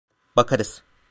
Bakarız.